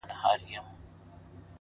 • ستا د لپي په رڼو اوبو کي گراني ـ